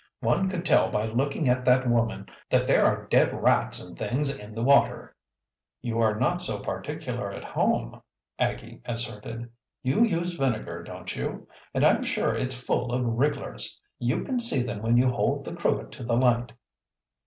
"One could tell by looking at that woman that there are dead rats and things in the water." "You are not so particular at home," Aggie asserted. "You use vinegar, don't you? And I'm sure it's full of wrigglers. You can see them when you hold the cruet to the light."